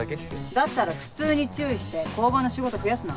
だったら普通に注意して交番の仕事増やすな。